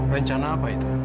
rencana apa itu